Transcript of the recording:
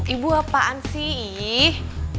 ibu apaan sih ih